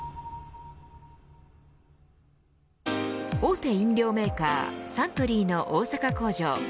大手飲料メーカー、サントリーの大阪工場。